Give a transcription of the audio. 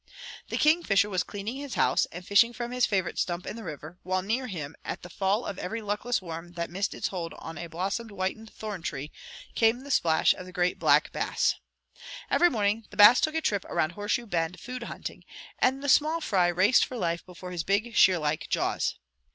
The Kingfisher was cleaning his house and fishing from his favorite stump in the river, while near him, at the fall of every luckless worm that missed its hold on a blossom whitened thorn tree, came the splash of the great Black Bass. Every morning the Bass took a trip around Horseshoe Bend food hunting, and the small fry raced for life before his big, shear like jaws.